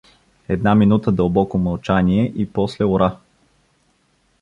Една минута дълбоко мълчание и после — ура.